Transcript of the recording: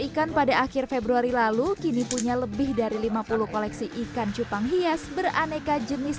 ikan pada akhir februari lalu kini punya lebih dari lima puluh koleksi ikan cupang hias beraneka jenis